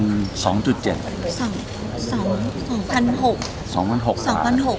น้องก็น้ำหนักตกประมาณ๒๗